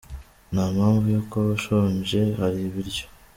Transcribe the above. Nta mpamvu yo kuba ushonje hari ibiryo.